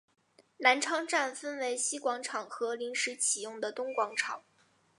南昌站分为西广场和临时启用的东广场。